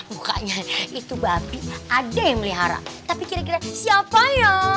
mukanya itu babi ada yang melihara tapi kira kira siapa yang